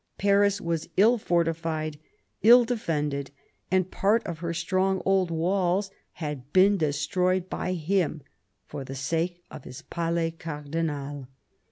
Paris was ill fortified, ill defended, and part of her strong old walls had been destroyed by him for the sake of his Palais Cardinal.